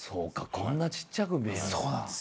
こんなちっちゃく見えんのか。